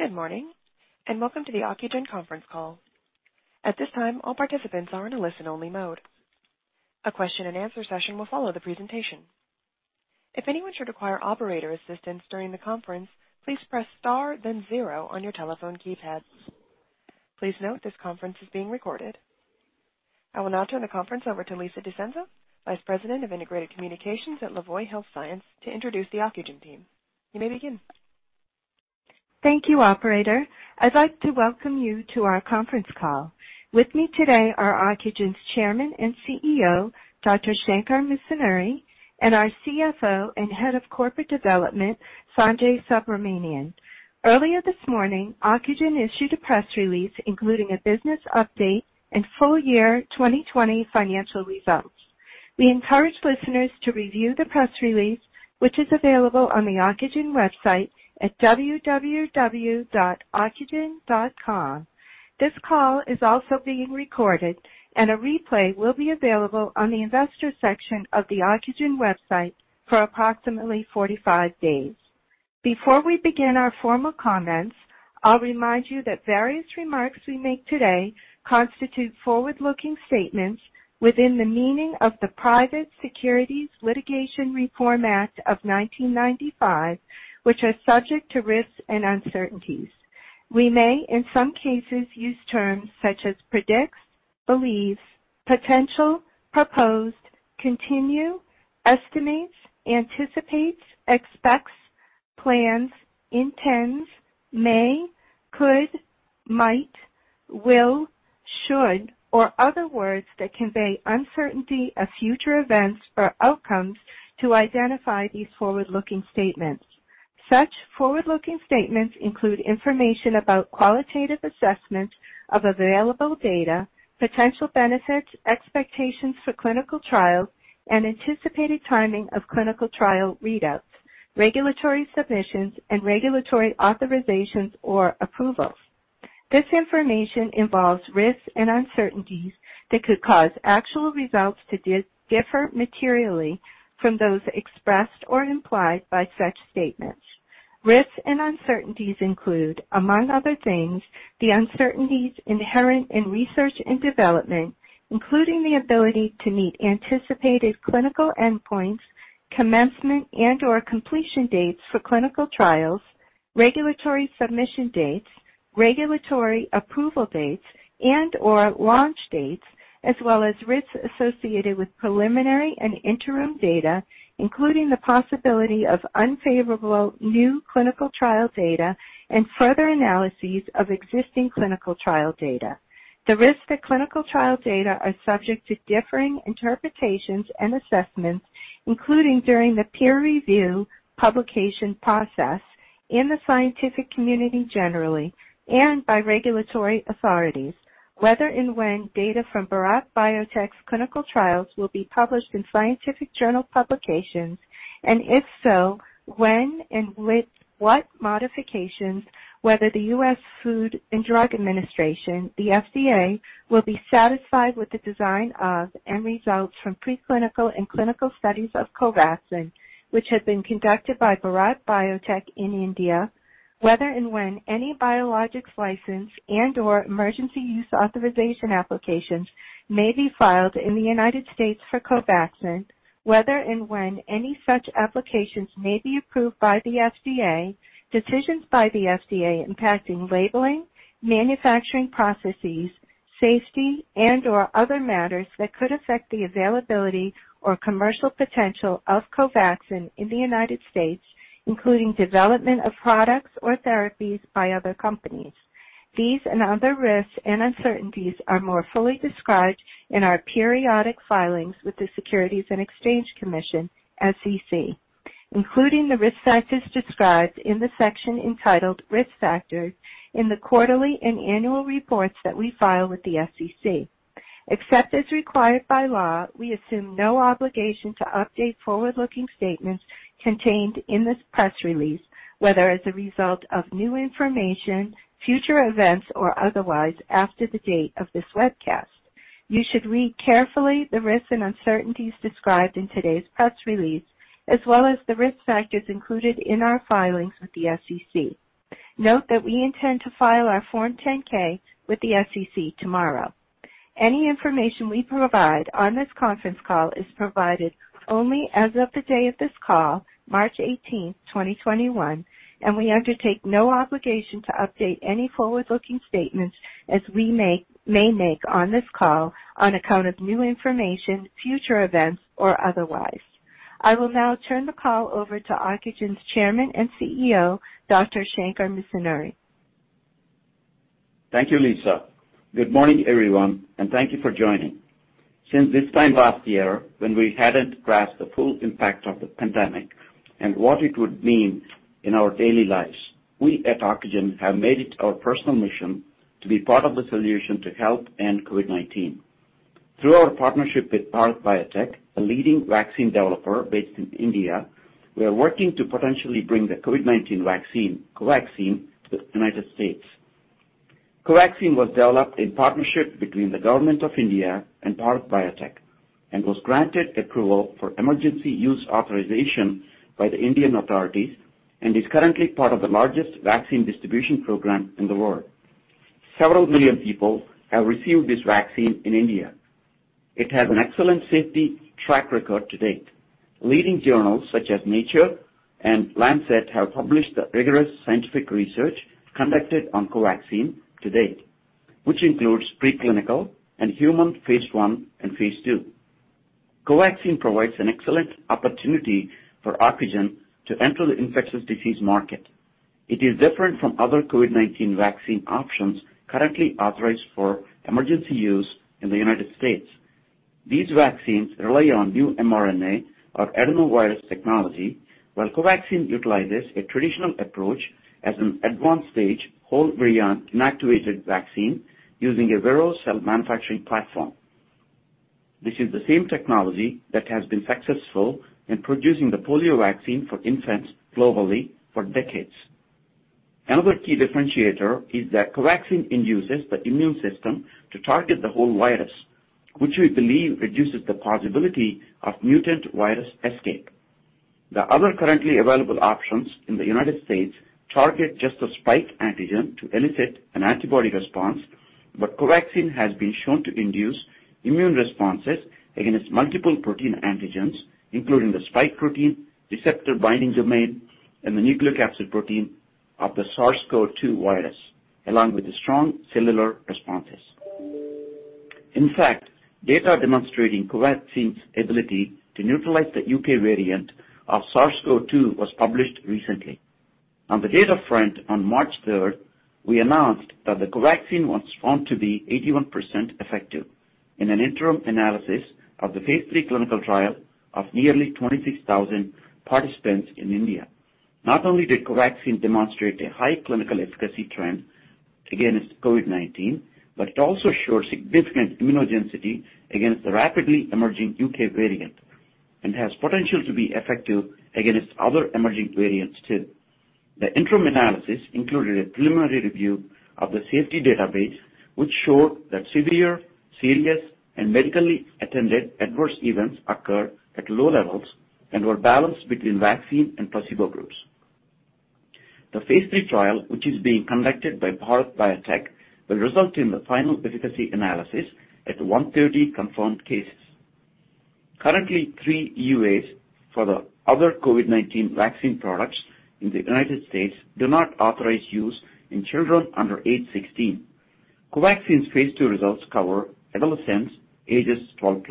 Good morning, welcome to the Ocugen conference call. At this time, all participants are in a listen-only mode. A question-and-answer session will follow the presentation. If anyone should require operator assistance during the conference, please press star then zero on your telephone keypad. Please note this conference is being recorded. I will now turn the conference over to Lisa DeScenza, Vice President of Integrated Communications at LaVoieHealthScience, to introduce the Ocugen team. Thank you, operator. With me today are Ocugen's Chairman and CEO, Dr. Shankar Musunuri, and our CFO and Head of Corporate Development, Sanjay Subramanian. Earlier this morning, Ocugen issued a press release including a business update and full year 2020 financial results. We encourage listeners to review the press release, which is available on the Ocugen website at www.ocugen.com. This call is also being recorded, and a replay will be available on the investor section of the Ocugen website for approximately 45 days. Before we begin our formal comments, I'll remind you that various remarks we make today constitute forward-looking statements within the meaning of the Private Securities Litigation Reform Act of 1995, which are subject to risks and uncertainties. We may, in some cases, use terms such as predicts, believes, potential, proposed, continue, estimates, anticipates, expects, plans, intends, may, could, might, will, should, or other words that convey uncertainty of future events or outcomes to identify these forward-looking statements. Such forward-looking statements include information about qualitative assessments of available data, potential benefits, expectations for clinical trials, and anticipated timing of clinical trial readouts, regulatory submissions, and regulatory authorizations or approvals. This information involves risks and uncertainties that could cause actual results to differ materially from those expressed or implied by such statements. Risks and uncertainties include, among other things, the uncertainties inherent in research and development, including the ability to meet anticipated clinical endpoints, commencement and/or completion dates for clinical trials, regulatory submission dates, regulatory approval dates, and/or launch dates, as well as risks associated with preliminary and interim data, including the possibility of unfavorable new clinical trial data and further analyses of existing clinical trial data. The risks that clinical trial data are subject to differing interpretations and assessments, including during the peer review publication process in the scientific community generally and by regulatory authorities. Whether and when data from Bharat Biotech's clinical trials will be published in scientific journal publications, and if so, when and with what modifications, whether the U.S. Food and Drug Administration, the FDA, will be satisfied with the design of end results from preclinical and clinical studies of COVAXIN, which have been conducted by Bharat Biotech in India. Whether and when any biologics license and/or emergency use authorization applications may be filed in the United States for COVAXIN. Whether and when any such applications may be approved by the FDA. Decisions by the FDA impacting labeling, manufacturing processes, safety and/or other matters that could affect the availability or commercial potential of COVAXIN in the United States, including development of products or therapies by other companies. These and other risks and uncertainties are more fully described in our periodic filings with the Securities and Exchange Commission, SEC, including the risk factors described in the section entitled Risk Factors in the quarterly and annual reports that we file with the SEC. Except as required by law, we assume no obligation to update forward-looking statements contained in this press release, whether as a result of new information, future events, or otherwise, after the date of this webcast. You should read carefully the risks and uncertainties described in today's press release, as well as the risk factors included in our filings with the SEC. Note that we intend to file our Form 10-K with the SEC tomorrow. Any information we provide on this conference call is provided only as of the day of this call, March 18, 2021, and we undertake no obligation to update any forward-looking statements as we may make on this call on account of new information, future events, or otherwise. I will now turn the call over to Ocugen's Chairman and CEO, Dr. Shankar Musunuri. Thank you, Lisa. Good morning, everyone, and thank you for joining. Since this time last year, when we hadn't grasped the full impact of the pandemic and what it would mean in our daily lives, we at Ocugen have made it our personal mission to be part of the solution to help end COVID-19. Through our partnership with Bharat Biotech, a leading vaccine developer based in India, we are working to potentially bring the COVID-19 vaccine, COVAXIN, to the U.S. COVAXIN was developed in partnership between the government of India and Bharat Biotech, and was granted approval for emergency use authorization by the Indian authorities, and is currently part of the largest vaccine distribution program in the world. Several million people have received this vaccine in India. It has an excellent safety track record to date. Leading journals such as Nature and Lancet have published the rigorous scientific research conducted on COVAXIN to date, which includes pre-clinical and human phase I and phase II. COVAXIN provides an excellent opportunity for Ocugen to enter the infectious disease market. It is different from other COVID-19 vaccine options currently authorized for emergency use in the United States. These vaccines rely on new mRNA or adenovirus technology, while COVAXIN utilizes a traditional approach as an advanced stage whole virion inactivated vaccine using a Vero cell manufacturing platform. This is the same technology that has been successful in producing the polio vaccine for infants globally for decades. Another key differentiator is that COVAXIN induces the immune system to target the whole virus, which we believe reduces the possibility of mutant virus escape. The other currently available options in the U.S. target just the spike antigen to elicit an antibody response, but COVAXIN has been shown to induce immune responses against multiple protein antigens, including the spike protein, receptor binding domain, and the nucleocapsid protein of the SARS-CoV-2 virus, along with the strong cellular responses. In fact, data demonstrating COVAXIN's ability to neutralize the U.K. variant of SARS-CoV-2 was published recently. On the data front, on March 3rd, we announced that COVAXIN was found to be 81% effective in an interim analysis of the phase III clinical trial of nearly 26,000 participants in India. Not only did COVAXIN demonstrate a high clinical efficacy trend against COVID-19, but it also showed significant immunogenicity against the rapidly emerging U.K. variant and has potential to be effective against other emerging variants, too. The interim analysis included a preliminary review of the safety database, which showed that severe, serious, and medically attended adverse events occurred at low levels and were balanced between vaccine and placebo groups. The phase III trial, which is being conducted by Bharat Biotech, will result in the final efficacy analysis at 130 confirmed cases. Currently, three EUAs for the other COVID-19 vaccine products in the United States do not authorize use in children under age 16. COVAXIN's phase II results cover adolescents ages 12+.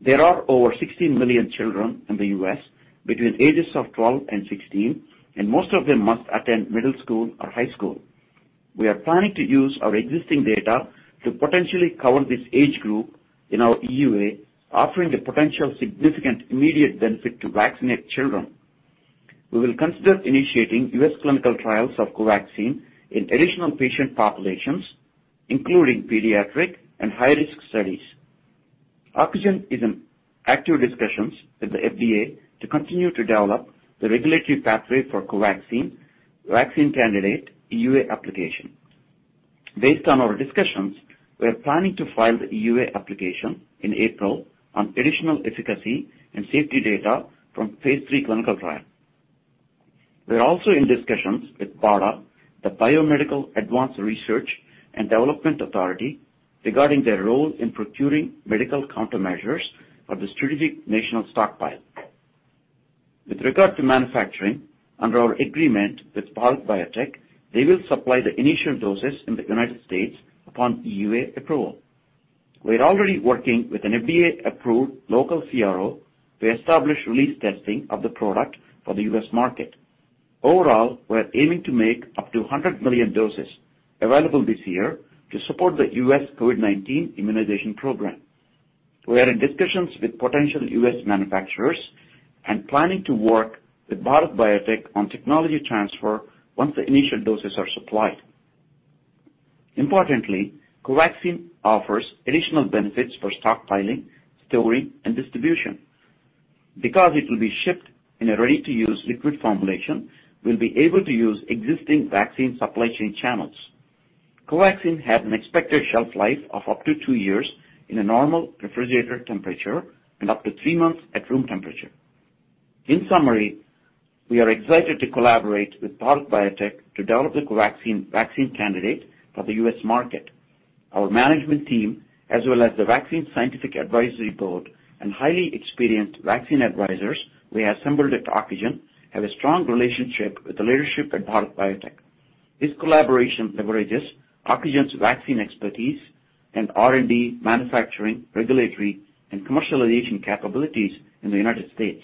There are over 16 million children in the U.S. between ages of 12 and 16, and most of them must attend middle school or high school. We are planning to use our existing data to potentially cover this age group in our EUA, offering the potential significant immediate benefit to vaccinate children. We will consider initiating U.S. clinical trials of COVAXIN in additional patient populations, including pediatric and high-risk studies. Ocugen is in active discussions with the FDA to continue to develop the regulatory pathway for COVAXIN vaccine candidate EUA application. Based on our discussions, we are planning to file the EUA application in April on additional efficacy and safety data from phase III clinical trial. We're also in discussions with BARDA, the Biomedical Advanced Research and Development Authority, regarding their role in procuring medical countermeasures for the strategic national stockpile. With regard to manufacturing, under our agreement with Bharat Biotech, they will supply the initial doses in the U.S. upon EUA approval. We are already working with an FDA-approved local CRO to establish release testing of the product for the U.S. market. We're aiming to make up to 100 million doses available this year to support the U.S. COVID-19 immunization program. We are in discussions with potential U.S. manufacturers and planning to work with Bharat Biotech on technology transfer once the initial doses are supplied. COVAXIN offers additional benefits for stockpiling, storing, and distribution. It will be shipped in a ready-to-use liquid formulation, we'll be able to use existing vaccine supply chain channels. COVAXIN has an expected shelf life of up to two years in a normal refrigerator temperature and up to three months at room temperature. In summary, we are excited to collaborate with Bharat Biotech to develop the COVAXIN vaccine candidate for the U.S. market. Our management team, as well as the vaccine scientific advisory board and highly experienced vaccine advisors we assembled at Ocugen, have a strong relationship with the leadership at Bharat Biotech. This collaboration leverages Ocugen's vaccine expertise and R&D manufacturing, regulatory, and commercialization capabilities in the United States.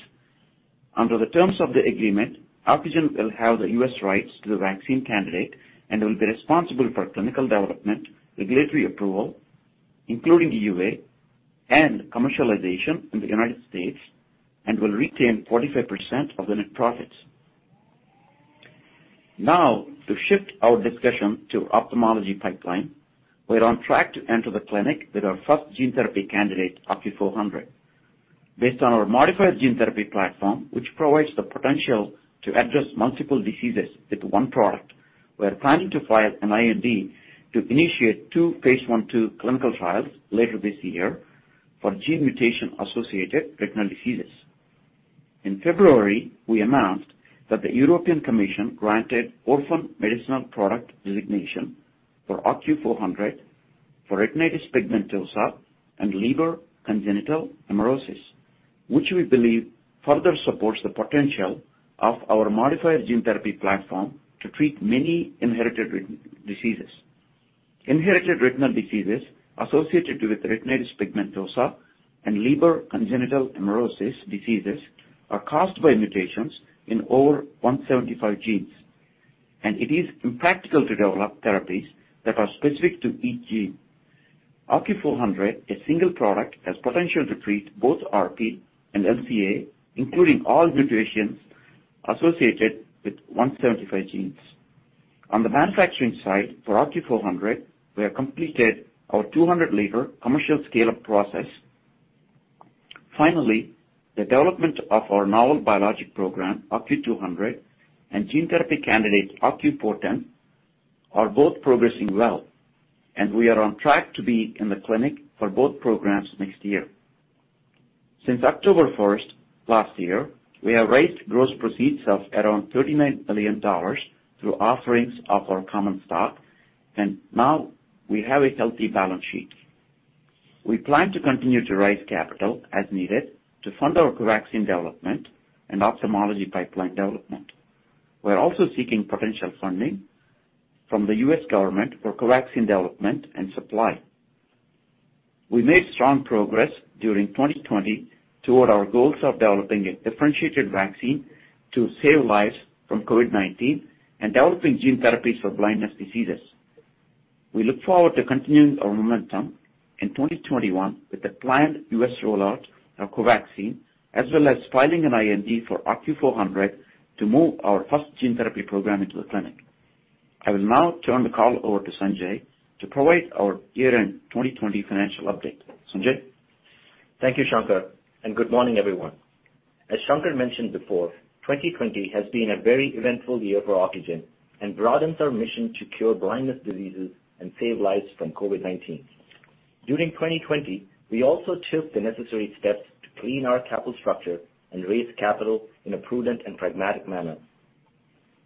Under the terms of the agreement, Ocugen will have the U.S. rights to the vaccine candidate and will be responsible for clinical development, regulatory approval, including EUA and commercialization in the United States, and will retain 45% of the net profits. Now, to shift our discussion to ophthalmology pipeline, we're on track to enter the clinic with our first gene therapy candidate, OCU400. Based on our modified gene therapy platform, which provides the potential to address multiple diseases with one product, we are planning to file an IND to initiate two phase I/II clinical trials later this year for gene mutation-associated retinal diseases. In February, we announced that the European Commission granted orphan medicinal product designation for OCU400 for retinitis pigmentosa and Leber congenital amaurosis, which we believe further supports the potential of our modified gene therapy platform to treat many inherited retinal diseases. Inherited retinal diseases associated with retinitis pigmentosa and Leber congenital amaurosis diseases are caused by mutations in over 175 genes. It is impractical to develop therapies that are specific to each gene. OCU400, a single product, has potential to treat both RP and LCA, including all mutations associated with 175 genes. On the manufacturing side for OCU400, we have completed our 200 L commercial scale-up process. Finally, the development of our novel biologic program, OCU200, and gene therapy candidate, OCU410, are both progressing well, and we are on track to be in the clinic for both programs next year. Since October 1st last year, we have raised gross proceeds of around $39 million through offerings of our common stock, and now we have a healthy balance sheet. We plan to continue to raise capital as needed to fund our COVID vaccine development and ophthalmology pipeline development. We're also seeking potential funding from the U.S. government for COVID vaccine development and supply. We made strong progress during 2020 toward our goals of developing a differentiated vaccine to save lives from COVID-19 and developing gene therapies for blindness diseases. We look forward to continuing our momentum in 2021 with the planned U.S. rollout of COVID vaccine, as well as filing an IND for OCU400 to move our first gene therapy program into the clinic. I will now turn the call over to Sanjay to provide our year-end 2020 financial update. Sanjay? Thank you, Shankar, and good morning, everyone. As Shankar mentioned before, 2020 has been a very eventful year for Ocugen and broadens our mission to cure blindness diseases and save lives from COVID-19. During 2020, we also took the necessary steps to clean our capital structure and raise capital in a prudent and pragmatic manner.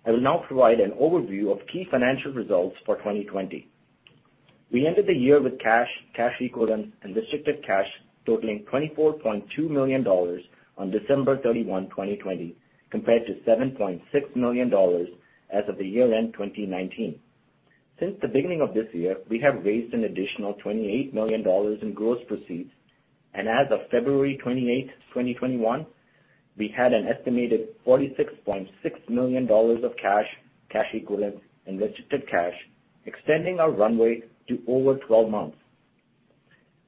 I will now provide an overview of key financial results for 2020. We ended the year with cash equivalents, and restricted cash totaling $24.2 million on December 31, 2020, compared to $7.6 million as of the year-end 2019. Since the beginning of this year, we have raised an additional $28 million in gross proceeds, and as of February 28, 2021, we had an estimated $46.6 million of cash equivalents, and restricted cash, extending our runway to over 12 months.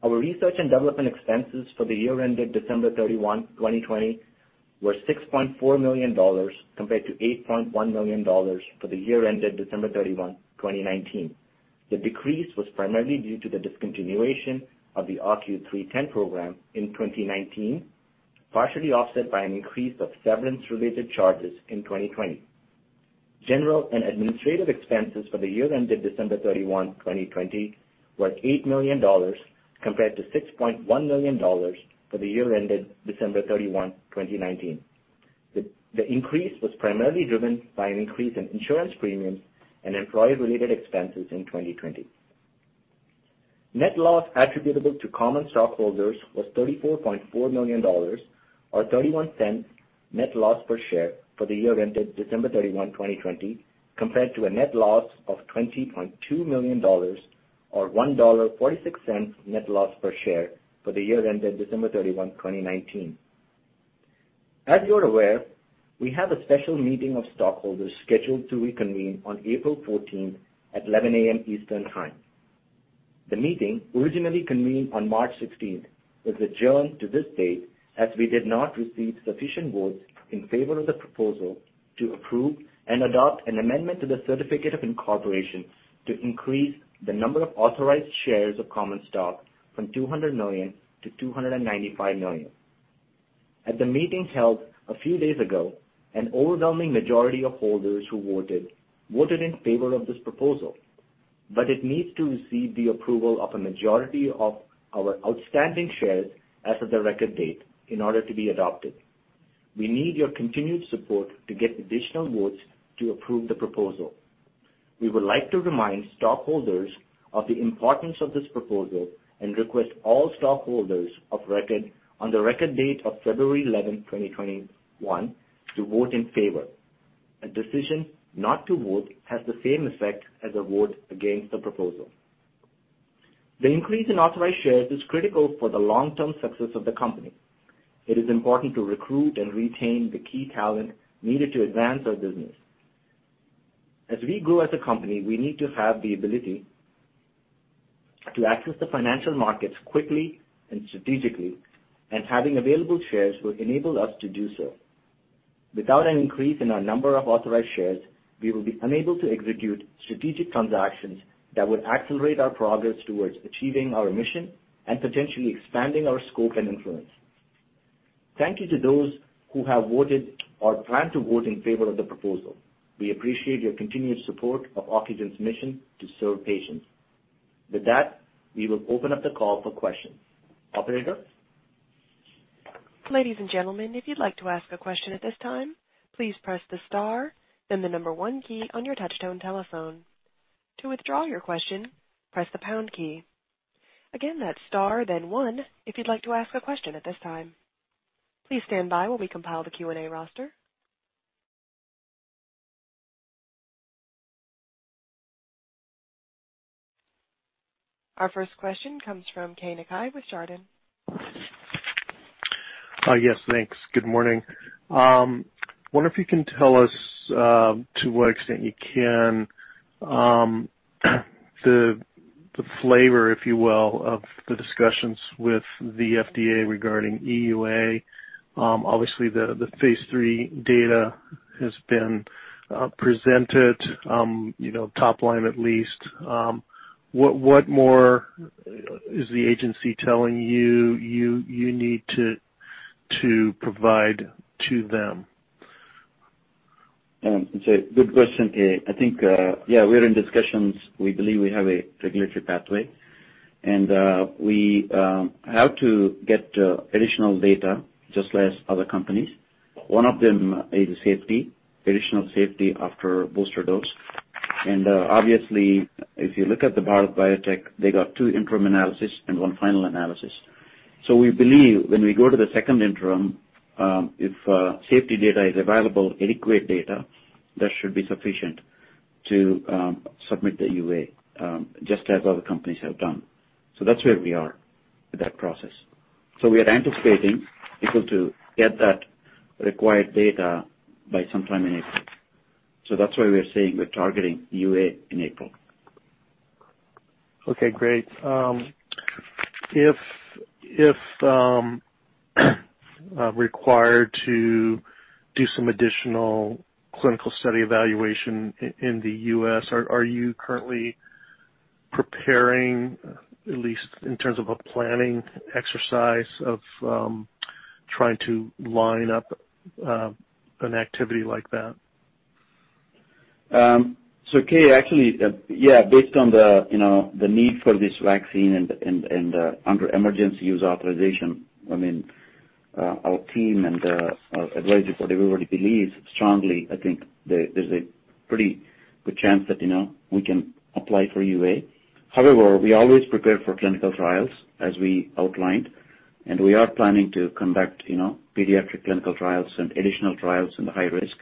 Our research and development expenses for the year ended December 31, 2020, were $6.4 million compared to $8.1 million for the year ended December 31, 2019. The decrease was primarily due to the discontinuation of the OCU310 program in 2019, partially offset by an increase of severance-related charges in 2020. General and administrative expenses for the year ended December 31, 2020, were $8 million compared to $6.1 million for the year ended December 31, 2019. The increase was primarily driven by an increase in insurance premiums and employee-related expenses in 2020. Net loss attributable to common stockholders was $34.4 million, or $0.31 net loss per share for the year ended December 31, 2020, compared to a net loss of $20.2 million or $1.46 net loss per share for the year ended December 31, 2019. As you're aware, we have a special meeting of stockholders scheduled to reconvene on April 14th at 11:00 A.M. Eastern Time. The meeting, originally convened on March 16th, was adjourned to this date as we did not receive sufficient votes in favor of the proposal to approve and adopt an amendment to the certificate of incorporation to increase the number of authorized shares of common stock from 200 million-295 million. At the meetings held a few days ago, an overwhelming majority of holders who voted in favor of this proposal, but it needs to receive the approval of a majority of our outstanding shares as of the record date in order to be adopted. We need your continued support to get additional votes to approve the proposal. We would like to remind stockholders of the importance of this proposal and request all stockholders of record on the record date of February 11, 2021, to vote in favor. A decision not to vote has the same effect as a vote against the proposal. The increase in authorized shares is critical for the long-term success of the company. It is important to recruit and retain the key talent needed to advance our business. As we grow as a company, we need to have the ability to access the financial markets quickly and strategically, and having available shares will enable us to do so. Without an increase in our number of authorized shares, we will be unable to execute strategic transactions that would accelerate our progress towards achieving our mission and potentially expanding our scope and influence. Thank you to those who have voted or plan to vote in favor of the proposal. We appreciate your continued support of Ocugen's mission to serve patients. With that, we will open up the call for questions. Operator? Our first question comes from Keay Nakae with Chardan. Yes, thanks. Good morning. Wonder if you can tell us, to what extent you can, the flavor, if you will, of the discussions with the FDA regarding EUA? Obviously, the phase III data has been presented, top line at least. What more is the agency telling you need to provide to them? It's a good question, Keay. I think, yeah, we are in discussions. We believe we have a regulatory pathway. We have to get additional data just like other companies. One of them is safety, additional safety after booster dose. Obviously, if you look at the Bharat Biotech, they got two interim analysis and one final analysis. We believe when we go to the second interim, if safety data is available, adequate data, that should be sufficient to submit the EUA, just as other companies have done. That's where we are with that process. We are anticipating able to get that required data by sometime in April. That's why we are saying we're targeting EUA in April. Okay, great. If required to do some additional clinical study evaluation in the U.S., are you currently preparing, at least in terms of a planning exercise of trying to line up an activity like that? Keay, actually, yeah. Based on the need for this vaccine and under emergency use authorization, our team and our advisors, what everybody believes strongly, I think there's a pretty good chance that we can apply for EUA. However, we always prepare for clinical trials, as we outlined, and we are planning to conduct pediatric clinical trials and additional trials in the high risk.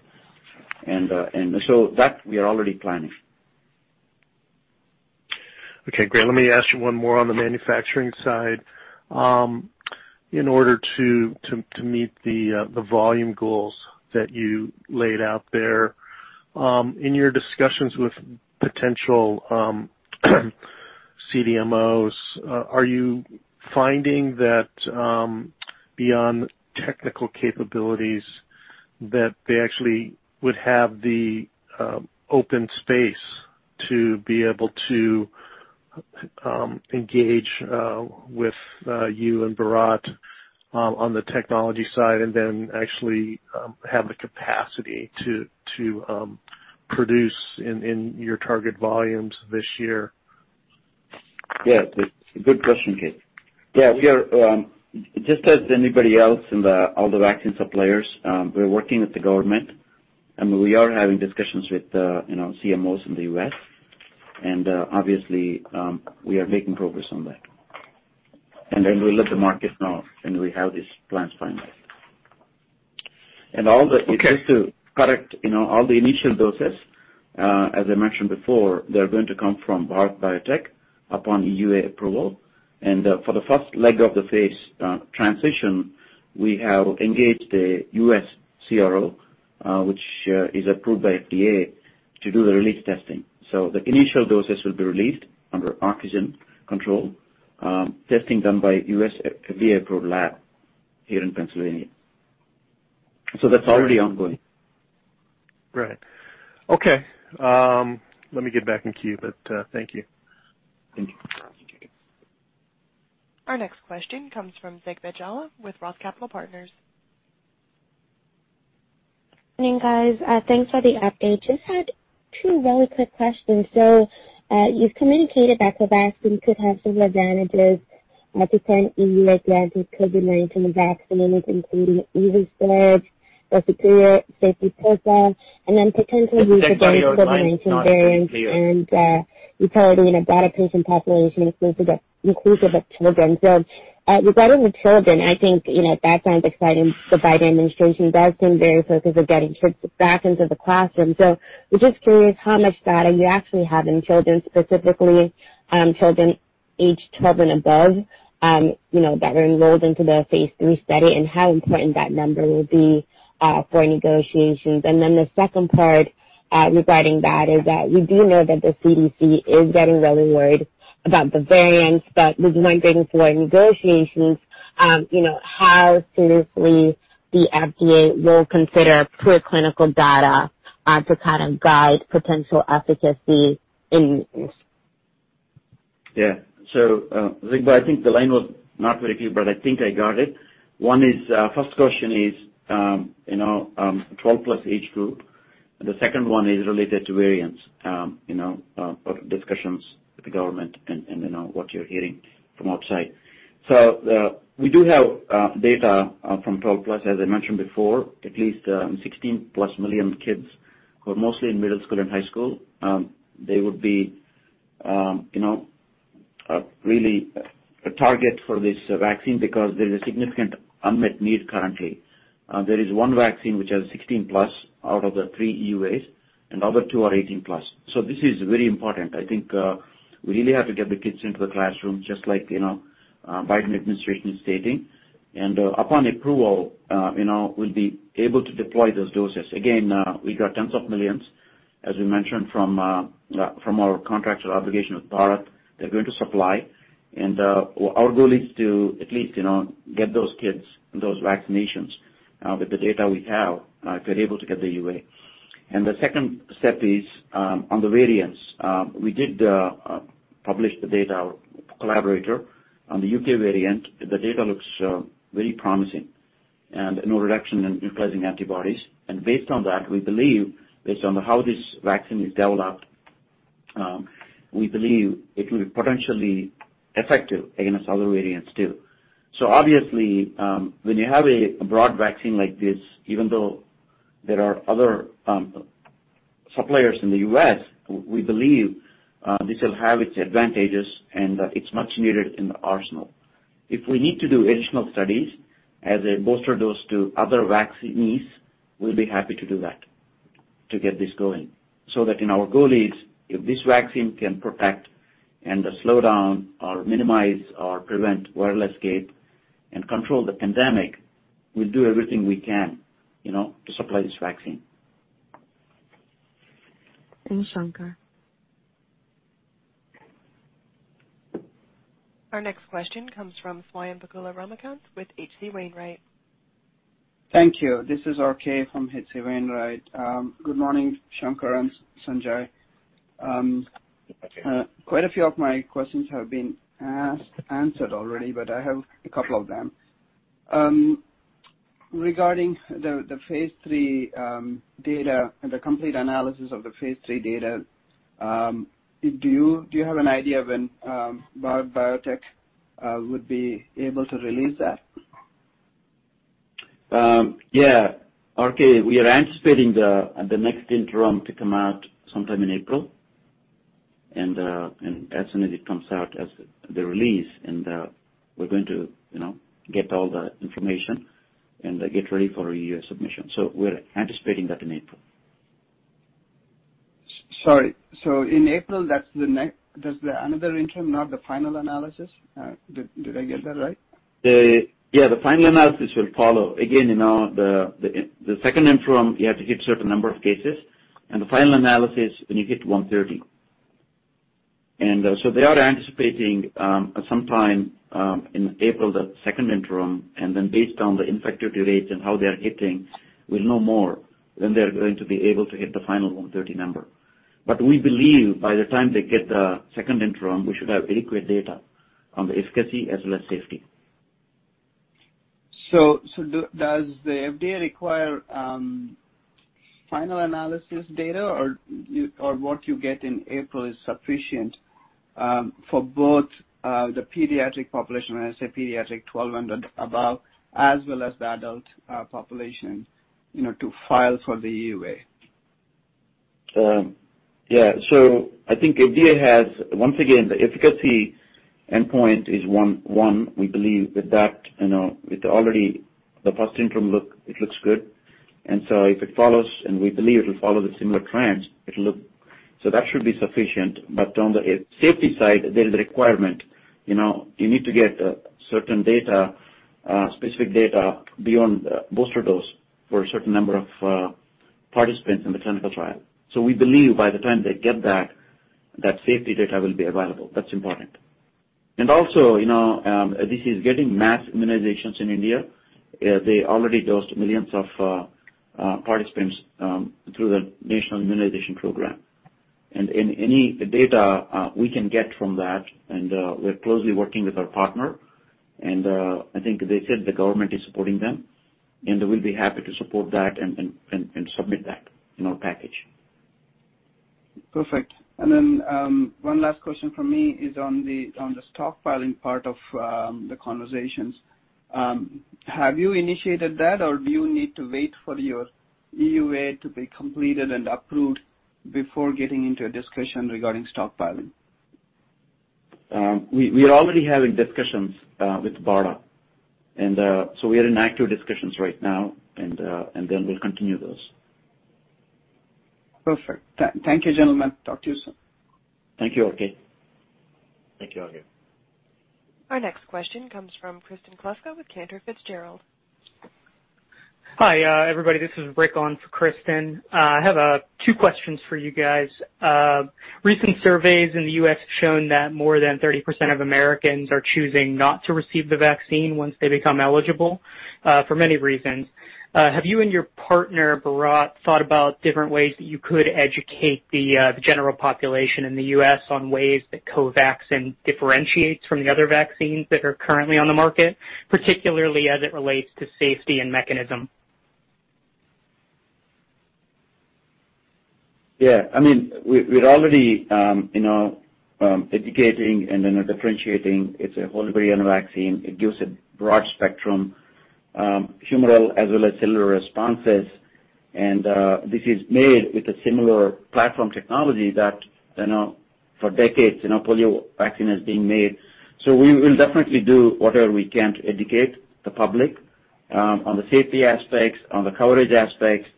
That we are already planning. Okay, great. Let me ask you one more on the manufacturing side. In order to meet the volume goals that you laid out there, in your discussions with potential CDMOs, are you finding that beyond technical capabilities, that they actually would have the open space to be able to engage with you and Bharat on the technology side and then actually have the capacity to produce in your target volumes this year? Yeah. Good question, Keay. Yeah. Just as anybody else in all the vaccine suppliers, we're working with the government, and we are having discussions with CMOs in the U.S., and obviously, we are making progress on that. We'll let the market know when we have these plans finalized. Okay. Just to correct, all the initial doses, as I mentioned before, they're going to come from Bharat Biotech upon EUA approval. For the first leg of the phase transition, we have engaged a U.S. CRO, which is approved by FDA to do the release testing. The initial doses will be released under Ocugen control, testing done by a FDA-approved lab here in Pennsylvania. That's already ongoing. Right. Okay. Let me get back in queue, but thank you. Thank you. Our next question comes from Zegbeh Jallah with Roth Capital Partners. Morning, guys. Thanks for the update. Just had two really quick questions. You've communicated that the vaccine could have several advantages, potential EUA granted COVID-19 vaccine, including easy storage, a superior safety profile, and then potential use against COVID-19 variants. The second part of your line is not very clear. You told, in a broader patient population inclusive of children. Regarding the children, I think that sounds exciting. The Biden administration does seem very focused on getting children back into the classroom. We're just curious how much data you actually have in children, specifically children age 12 and above, that are enrolled into the phase III study, and how important that number will be for negotiations. The second part regarding that is we do know that the CDC is getting really worried about the variants, but there's variance for negotiations, how seriously the FDA will consider preclinical data to guide potential efficacy in humans? Yeah. I think the line was not very clear, but I think I got it. First question is 12+ age group. The second one is related to variants, or discussions with the government and what you're hearing from outside. We do have data from 12+, as I mentioned before, at least 16+ million kids who are mostly in middle school and high school. They would be really a target for this vaccine because there is a significant unmet need currently. There is one vaccine which has 16+ out of the three EUAs. Other two are 18+. This is very important. I think we really have to get the kids into the classroom, just like Biden administration is stating. Upon approval, we'll be able to deploy those doses. We got tens of millions, as we mentioned from our contractual obligation with Bharat. They're going to supply. Our goal is to at least get those kids those vaccinations with the data we have if we're able to get the EUA. The second step is on the variants. We did publish the data, our collaborator on the U.K. variant. The data looks very promising, and no reduction in neutralizing antibodies. Based on that, based on how this vaccine is developed, we believe it will be potentially effective against other variants, too. Obviously, when you have a broad vaccine like this, even though there are other suppliers in the U.S., we believe this will have its advantages, and it's much needed in the arsenal. If we need to do additional studies as a booster dose to other vaccinees, we'll be happy to do that to get this going. That our goal is if this vaccine can protect and slow down or minimize or prevent viral escape and control the pandemic, we'll do everything we can to supply this vaccine. Thanks, Shankar. Our next question comes from Swayampakula Ramakanth with H.C. Wainwright. Thank you. This is RK from H.C. Wainwright. Good morning, Shankar and Sanjay. Okay. Quite a few of my questions have been answered already, but I have a couple of them. Regarding the phase III data and the complete analysis of the phase III data, do you have an idea of when Bharat Biotech would be able to release that? Yeah. RK, we are anticipating the next interim to come out sometime in April, and as soon as it comes out as the release, we're going to get all the information and get ready for EUA submission. We're anticipating that in April. Sorry. In April, that's another interim, not the final analysis? Did I get that right? Yeah, the final analysis will follow. Again, the second interim, you have to hit a certain number of cases, and the final analysis when you get to 130. They are anticipating sometime in April, the second interim, and then based on the infectivity rates and how they are hitting, we'll know more when they're going to be able to hit the final 130 number. We believe by the time they get the second interim, we should have adequate data on the efficacy as well as safety. Does the FDA require final analysis data, or what you get in April is sufficient for both the pediatric population, when I say pediatric, 12 and above, as well as the adult population to file for the EUA? Yeah. I think FDA has, once again, the efficacy endpoint is one. We believe with that, it already, the first interim look, it looks good. If it follows, and we believe it will follow the similar trends, that should be sufficient. On the safety side, there is a requirement. You need to get certain data, specific data beyond a booster dose for a certain number of participants in the clinical trial. We believe by the time they get that safety data will be available. That's important. Also, this is getting mass immunizations in India. They already dosed millions of participants through the National Immunization Program. Any data we can get from that, and we're closely working with our partner, and I think they said the government is supporting them, and we'll be happy to support that and submit that in our package. Perfect. One last question from me is on the stockpiling part of the conversations. Have you initiated that, or do you need to wait for your EUA to be completed and approved before getting into a discussion regarding stockpiling? We are already having discussions with BARDA. We are in active discussions right now, and then we'll continue those. Perfect. Thank you, gentlemen. Talk to you soon. Thank you, RK. Thank you, RK. Our next question comes from Kristen Kluska with Cantor Fitzgerald. Hi, everybody. This is Rick on for Kristen. I have two questions for you guys. Recent surveys in the U.S. have shown that more than 30% of Americans are choosing not to receive the vaccine once they become eligible, for many reasons. Have you and your partner, Bharat, thought about different ways that you could educate the general population in the U.S. on ways that COVAXIN differentiates from the other vaccines that are currently on the market, particularly as it relates to safety and mechanism? Yeah. We're already educating and then differentiating. It's a whole virion vaccine. It gives a broad-spectrum humoral as well as cellular responses. This is made with a similar platform technology that for decades, polio vaccine has been made. We will definitely do whatever we can to educate the public on the safety aspects, on the coverage aspects,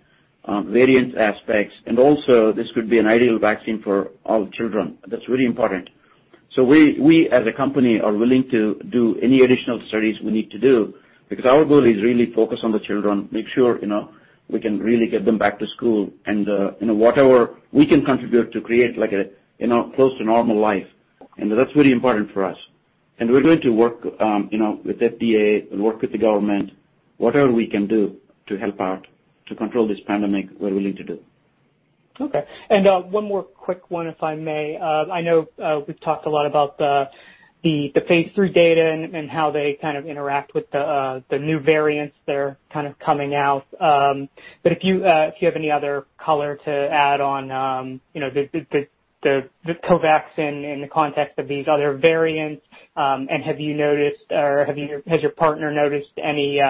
on variant aspects, and also this could be an ideal vaccine for all children. That's really important. We, as a company, are willing to do any additional studies we need to do because our goal is really focused on the children, make sure we can really get them back to school and whatever we can contribute to create close to normal life. That's really important for us. We're going to work with FDA and work with the government. Whatever we can do to help out to control this pandemic, we're willing to do. Okay. One more quick one, if I may. I know we've talked a lot about the phase III data and how they kind of interact with the new variants that are kind of coming out. If you have any other color to add on the COVAXIN in the context of these other variants, and have you noticed or has your partner noticed any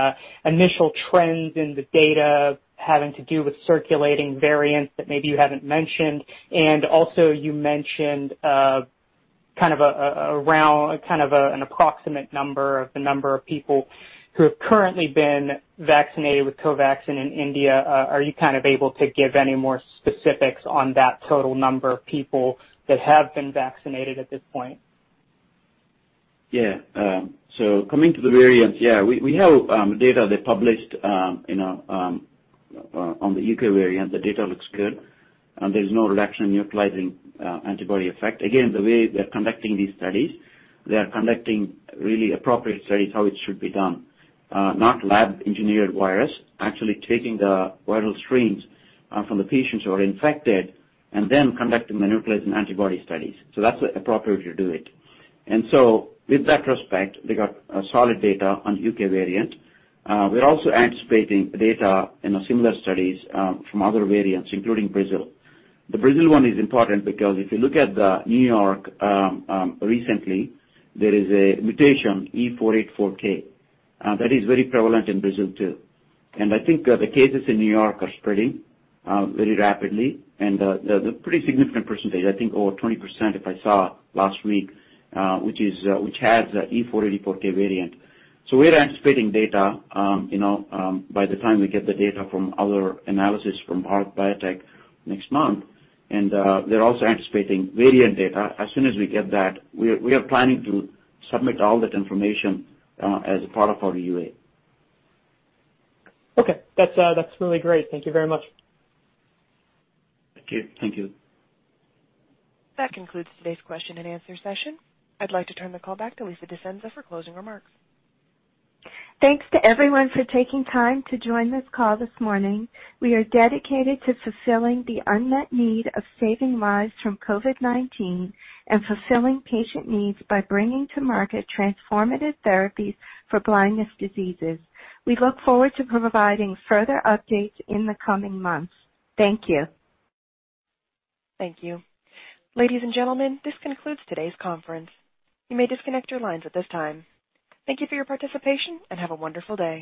initial trends in the data having to do with circulating variants that maybe you haven't mentioned? Also you mentioned kind of an approximate number of the number of people who have currently been vaccinated with COVAXIN in India. Are you kind of able to give any more specifics on that total number of people that have been vaccinated at this point? Coming to the variants, we have data they published on the U.K. variant. The data looks good. There's no reduction in neutralizing antibody effect. The way they're conducting these studies, they are conducting really appropriate studies how it should be done. Not lab-engineered virus, actually taking the viral strains from the patients who are infected and then conducting the neutralizing antibody studies. That's the appropriate way to do it. With that respect, they got solid data on the U.K. variant. We're also anticipating data in similar studies from other variants, including Brazil. The Brazil one is important because if you look at New York recently, there is a mutation, E484K, that is very prevalent in Brazil, too. I think the cases in New York are spreading very rapidly and at a pretty significant percentage, I think over 20%, if I saw last week, which has the E484K variant. We're anticipating data by the time we get the data from other analysis from Bharat Biotech next month, and they're also anticipating variant data. As soon as we get that, we are planning to submit all that information as a part of our EUA. Okay. That's really great. Thank you very much. Okay. Thank you. That concludes today's question-and-answer session. I'd like to turn the call back to Lisa DeScenza for closing remarks. Thanks to everyone for taking time to join this call this morning. We are dedicated to fulfilling the unmet need of saving lives from COVID-19 and fulfilling patient needs by bringing to market transformative therapies for blindness diseases. We look forward to providing further updates in the coming months. Thank you. Thank you. Ladies and gentlemen, this concludes today's conference. You may disconnect your lines at this time. Thank you for your participation, and have a wonderful day.